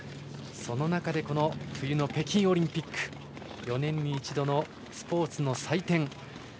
その中で、冬の北京オリンピック４年に一度のスポーツの祭典。